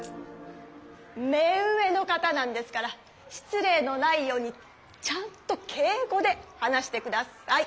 目上の方なんですからしつれいのないようにちゃんと敬語で話して下さい。